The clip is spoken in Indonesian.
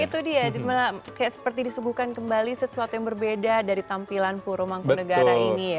itu dia seperti disuguhkan kembali sesuatu yang berbeda dari tampilan puro mangkunegara ini ya